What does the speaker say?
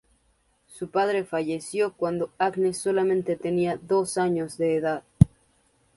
Su padre falleció cuando Agnes solamente tenía dos años de edad.